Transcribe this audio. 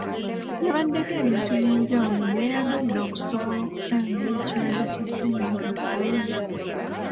Yabadeko ebintu ebyenjawulo bye yaggadde okusobola okutangira ekirwadde kya ssennyiga Corona.